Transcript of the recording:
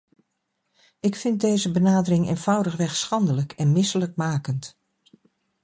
Ik vind deze benadering eenvoudigweg schandelijk en misselijkmakend.